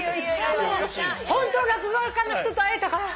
ホントの落語家の人と会えたから！